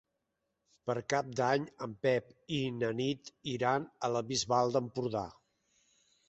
Per Cap d'Any en Pep i na Nit iran a la Bisbal d'Empordà.